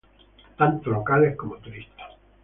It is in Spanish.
Tanto locales, como turistas.